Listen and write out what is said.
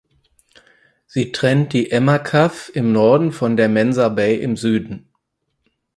Sie trennt die Emma Cove im Norden von der Mensa Bay im Süden.